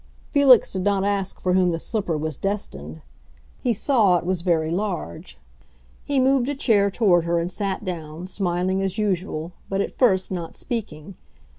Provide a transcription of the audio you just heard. Felix did not ask for whom the slipper was destined; he saw it was very large. He moved a chair toward her and sat down, smiling as usual, but, at first, not speaking.